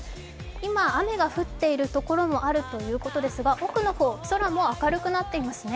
今、雨が降っているところもあるということですが、奥の方、空も明るくなっていますね。